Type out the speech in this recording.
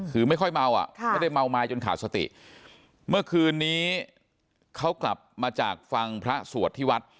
คือไม่ค่อยเมาอ่ะไม่ได้เมาไม้จนขาดสติเมื่อคืนนี้เขากลับมาจากฟังพระสวดที่วัด